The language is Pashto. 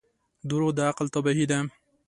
• دروغ د عقل تباهي ده.